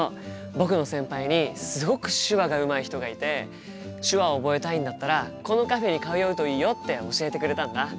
僕の先輩にすごく手話がうまい人がいて手話を覚えたいんだったらこのカフェに通うといいよって教えてくれたんだ。